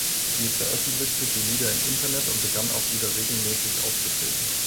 Sie veröffentlichte die Lieder im Internet und begann auch wieder regelmäßig aufzutreten.